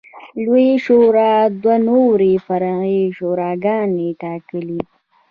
لویې شورا دوه نورې فرعي شوراګانې ټاکلې